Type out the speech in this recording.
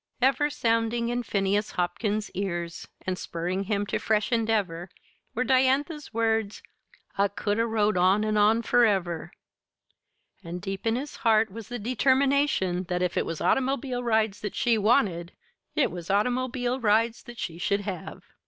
Ever sounding in Phineas Hopkins's ears and spurring him to fresh endeavor, were Diantha's words, "I could 'a' rode on an' on furever"; and deep in his heart was the determination that if it was automobile rides that she wanted, it was automobile rides that she should have!